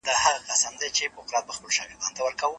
څېړونکی د متن کره کتنه څنګه کوي؟